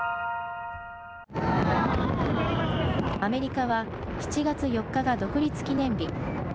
アメリカは７月４日が独立記念日。